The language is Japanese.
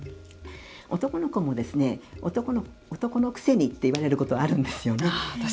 男の子も男のくせにって言われることあるんですよね。